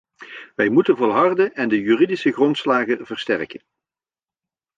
Wij moeten volharden en de juridische grondslagen versterken.